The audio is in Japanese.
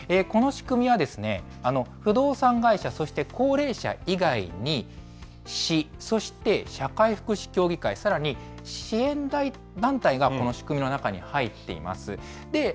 この仕組みは、不動産会社、そして高齢者以外に、市、そして社会福祉協議会、さらに、支援団体が、この仕組みの中に入っています。